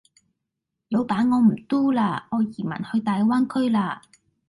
老闆我唔 Do 啦，我移民去大灣區啦